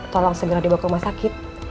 tolong segera dibawa ke rumah sakit